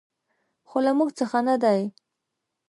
خو له موږ څخه نه دي .